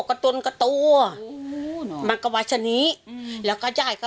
กระตุ้นกระตัวโอ้เนอะมันก็วัชนี้อืมแล้วก็ยายก็